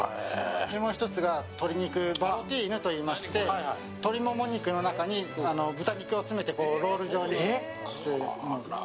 もう１つが鶏肉のバロティーヌといいまして鶏モモ肉の中に豚肉を詰めてロール状にしています。